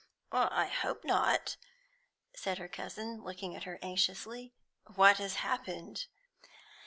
"I hope not," said her cousin, looking at her anxiously. "What has happened?"